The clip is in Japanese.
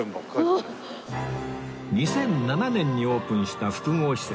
２００７年にオープンした複合施設